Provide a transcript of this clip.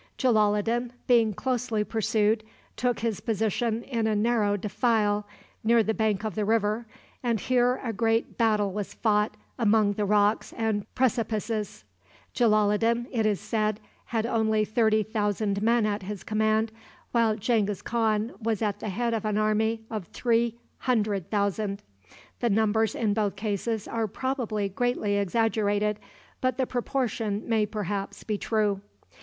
Jalaloddin, being closely pursued, took his position in a narrow defile near the bank of the river, and here a great battle was fought among the rocks and precipices. Jalaloddin, it is said, had only thirty thousand men at his command, while Genghis Khan was at the head of an army of three hundred thousand. The numbers in both cases are probably greatly exaggerated, but the proportion may perhaps be true.